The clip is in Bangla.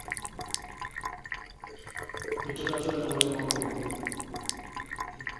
ভেতরে আসুন, একটা মহিলা কণ্ঠ বলে।